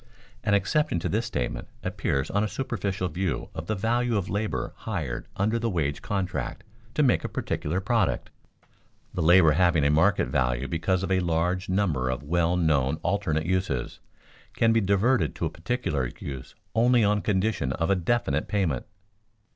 An exception to this statement appears on a superficial view of the value of labor hired under the wage contract to make a particular product. The labor having a market value because of a large number of well known alternate uses, can be diverted to a particular use only on condition of a definite payment.